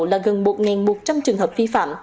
là gần một một trăm linh trường hợp vi phạm